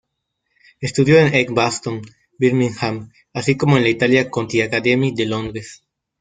Estudió en Edgbaston, Birmingham, así como en la Italia Conti Academy de Londres.